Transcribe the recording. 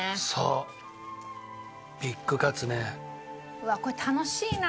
うわっこれ楽しいな！